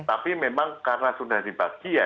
tapi memang karena sudah dibagi ya